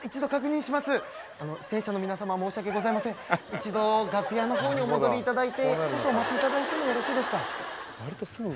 一度楽屋のほうにお戻り頂いて少々お待ち頂いてもよろしいですか？